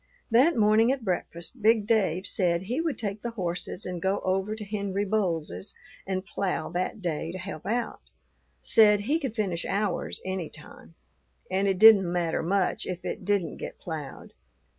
That morning at breakfast, big Dave said he would take the horses and go over to Henry Boles's and plough that day to help out, said he could finish ours any time, and it didn't matter much if it didn't get ploughed.